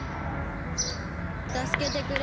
たすけてくれ。